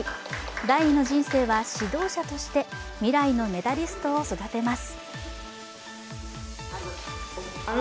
第二の人生は指導者として未来のメダリストを育てます。